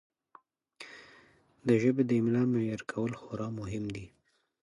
د ژبې د املاء معیار کول خورا مهم دي.